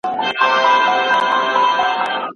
داود خان مداخله رد کړه.